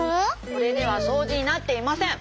これではそうじになっていません！